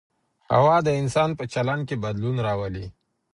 هوا د انسان په چلند کي بدلون راولي.